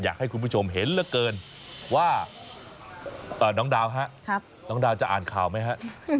อยากให้คุณผู้ชมเห็นเหลือเกินว่าน้องดาวฮะน้องดาวจะอ่านข่าวไหมฮะ